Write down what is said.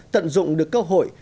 tận dụng được cơ hội